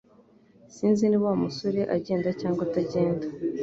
Sinzi niba Wa musore agenda cyangwa atagenda